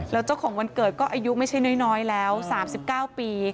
แล้วเจ้าของวันเกิดก็อายุไม่ใช่น้อยแล้ว๓๙ปี